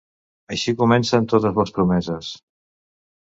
Així comencen totes les promeses.